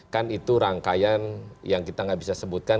kan itu rangkaian yang kita nggak bisa sebutkan